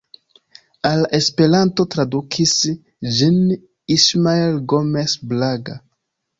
Al Esperanto tradukis ĝin Ismael Gomes Braga.